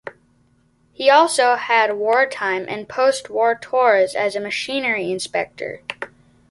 He also had wartime and post-war tours as a machinery inspector.